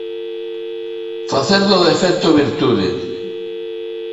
Facer do defecto, virtude.